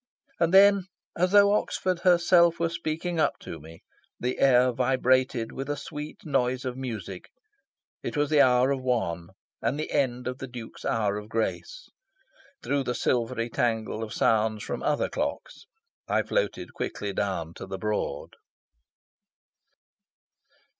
And then, as though Oxford herself were speaking up to me, the air vibrated with a sweet noise of music. It was the hour of one; the end of the Duke's hour of grace. Through the silvery tangle of sounds from other clocks I floated quickly down to the Broad.